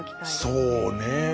そうね。